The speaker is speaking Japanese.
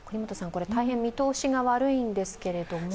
大変見通しが悪いんですけど。